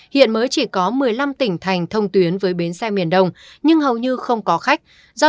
hiện mới chỉ có một mươi năm tỉnh thành thông tuyến với bến xe miền đông nhưng hầu như không có khách do